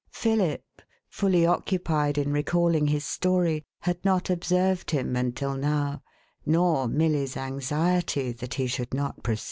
Philip, fully occupied in recalling his story, had not observed him until nqw, nor Milly's anxiety that he should not proceed.